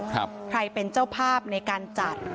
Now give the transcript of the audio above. ใครเป็นเจ้าภาพในการจัด